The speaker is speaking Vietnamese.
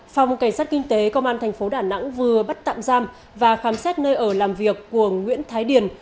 phòng cảnh sát kinh tế công an thành phố đà nẵng vừa bắt tạm giam và khám xét nơi ở làm việc của nguyễn thái điền